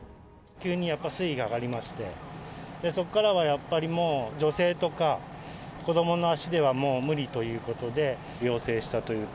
急にやっぱ水位が上がりまして、そこからはやっぱり、もう、女性とか、子どもの足ではもう無理ということで。